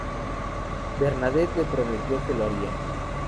Bernadette le prometió que lo haría.